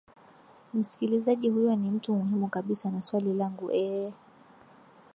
msikilizaji huyo ni mtu muhimu kabisa na swali langu eeh